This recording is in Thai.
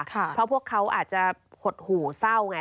เพราะพวกเขาอาจจะหดหู่เศร้าไง